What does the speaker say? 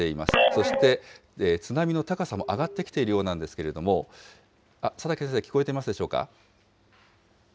そして津波の高さも上がってきているようなんですけれども、佐竹先生、聞こえていますでしょうか。